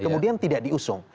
kemudian tidak diusung